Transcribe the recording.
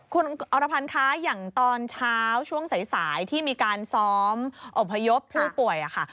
คุณอรพันธ์คะอย่างตอนเช้าช่วงสายที่มีการซ้อมอบพยพผู้ป่วยค่ะ